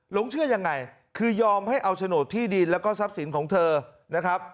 หลงเชื่อยังไงคือยอมให้เอาโฉนดที่ดินแล้วก็ทรัพย์สินของเธอนะครับ